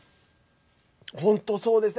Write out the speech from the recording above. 本当そうですね。